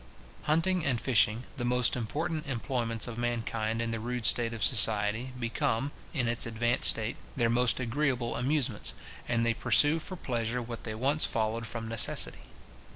Hunting and fishing, the most important employments of mankind in the rude state of society, become, in its advanced state, their most agreeable amusements, and they pursue for pleasure what they once followed from necessity.